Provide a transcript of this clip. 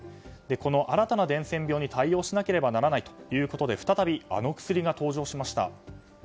新たな伝染病に対応しなければならないということで再びあの薬が登場しました。